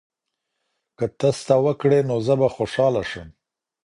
که تسته وکړې نو زه به خوشاله شم.